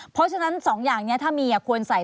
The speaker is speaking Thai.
เพราะฉะนั้น๒อย่างนี้ถ้ามีควรใส่